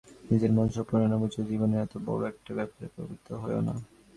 নিজের মন সম্পূর্ণ না বুঝে জীবনের এত বড়ো একটা ব্যাপারে প্রবৃত্ত হোয়ো না।